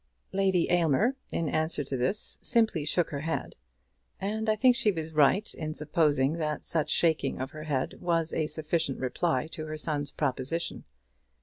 Lady Aylmer, in answer to this, simply shook her head. And I think she was right in supposing that such shaking of her head was a sufficient reply to her son's proposition.